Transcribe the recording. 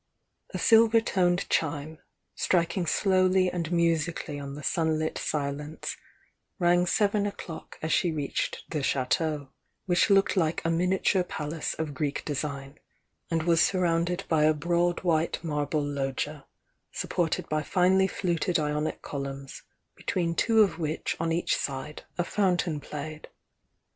A silver toned chime, striking slowly and musically on the sunlit silence, rang seven o'clock as she reached the Chateau, which looked like a miniature palace of Greek design, and was sur rounded with a broad white marble loggia, support ed by finely fluted Ionic columns, between two of which on each side a fountain played.